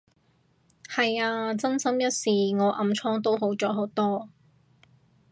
係啊，真心一試，我暗瘡都好咗好多